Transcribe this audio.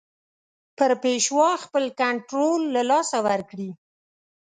پر پېشوا خپل کنټرول له لاسه ورکړي.